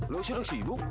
lo sudah sibuk